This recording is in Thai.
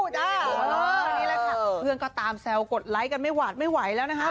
นี่แหละค่ะเพื่อนก็ตามแซวกดไลค์กันไม่หวาดไม่ไหวแล้วนะคะ